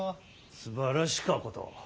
すばらしかこと。